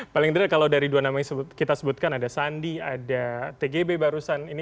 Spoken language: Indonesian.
paling tidak kalau dari dua nama yang kita sebutkan ada sandi ada tgb barusan ini